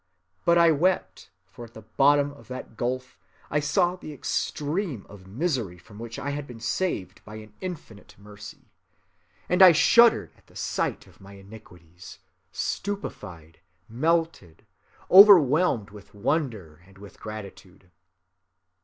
But I wept, for at the bottom of that gulf I saw the extreme of misery from which I had been saved by an infinite mercy; and I shuddered at the sight of my iniquities, stupefied, melted, overwhelmed with wonder and with gratitude.